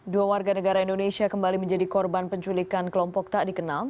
dua warga negara indonesia kembali menjadi korban penculikan kelompok tak dikenal